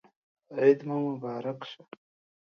عید مو مبارک شه